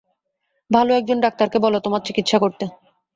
ভালো এক জন ডাক্তারকে বল তোমার চিকিৎসা করতে।